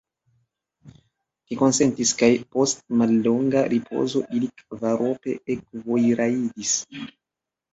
Li konsentis, kaj post mallonga ripozo ili kvarope ekvojrajdis.